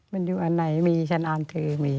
มันอยู่อันไหนมีฉันอ่านเธอมี